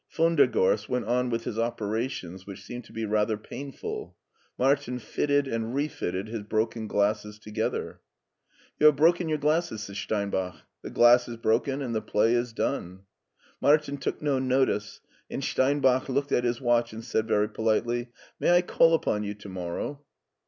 Von der Gorst went on with his operations, which seemed to be rather painful; Martin fitted and refit ted his broken glasses together. You have broken your glasses," said Steinbach. The glass is broken, and the play is done." Martin took no notice, and Steinbach looked at his watch and said very politely, " May I call upon you to morrow